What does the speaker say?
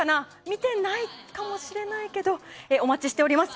見てないかもしれないけどお待ちしております。